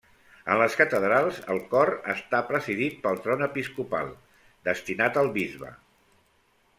En les catedrals, el cor està presidit pel tron episcopal, destinat al bisbe.